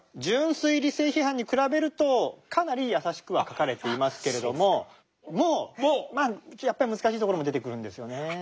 「純粋理性批判」に比べるとかなり易しくは書かれていますけれどもやっぱり難しいところも出てくるんですよね。